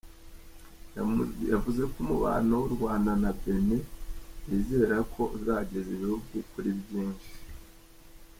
Yavuze ko umubano w’u Rwanda na Benin yizera ko uzageza ibihugu kuri byinshi.